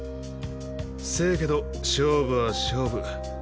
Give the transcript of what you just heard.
せやけど勝負は勝負。